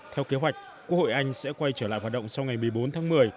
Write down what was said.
theo kế hoạch quốc hội anh sẽ quay trở lại hoạt động sau ngày một mươi bốn tháng một mươi